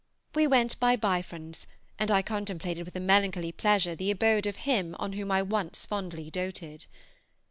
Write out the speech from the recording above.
We went by Bifrons, and I contemplated with a melancholy pleasure the abode of him on whom I once fondly doated.